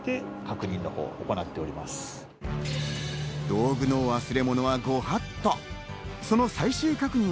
道具の忘れ物はご法度。